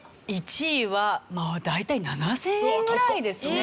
１位は大体７０００円ぐらいですね。